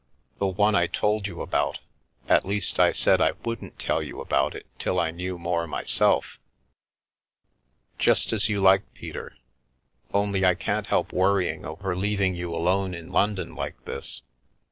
The one I told you about — at least, I said I wouldn't tell you about it till I knew more myself." "Just as you like, Peter. Only I can't help worry ing over leaving you alone in London like this.